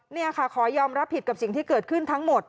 นี่ค่ะขอยอมรับผิดกับสิ่งที่เกิดขึ้นทั้งหมด